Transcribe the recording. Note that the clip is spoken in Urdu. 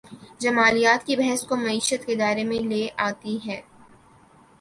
جمالیات کی بحث کو معیشت کے دائرے میں لے آتی ہے۔